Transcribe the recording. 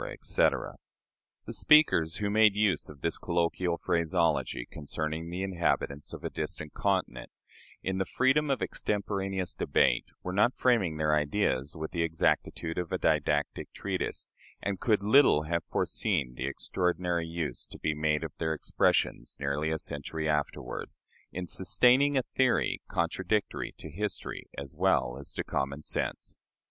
etc. The speakers who made use of this colloquial phraseology concerning the inhabitants of a distant continent, in the freedom of extemporaneous debate, were not framing their ideas with the exactitude of a didactic treatise, and could little have foreseen the extraordinary use to be made of their expressions nearly a century afterward, in sustaining a theory contradictory to history as well as to common sense.